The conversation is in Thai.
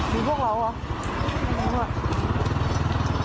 มีพวกเราเหรอ